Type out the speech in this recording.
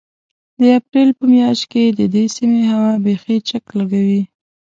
د اپرېل په مياشت کې د دې سيمې هوا بيخي چک لګوي.